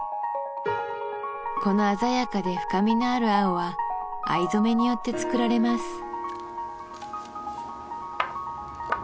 この鮮やかで深みのある青は藍染によって作られます